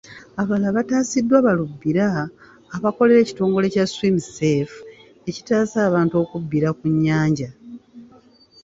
Abalala baataasiddwa balubbira abakolera ekitongole kya Swim Safe ekitaasa abantu okubbira ku nnyanja.